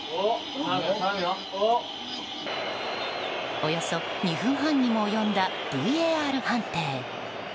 およそ２分半にも及んだＶＡＲ判定。